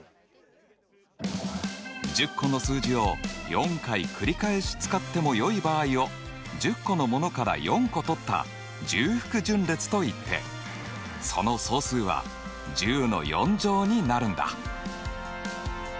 １０個の数字を４回繰り返し使ってもよい場合を１０個のものから４個とった重複順列といってその総数は１０の４乗になるんだ。